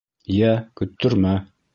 — Йә, көттөрмә.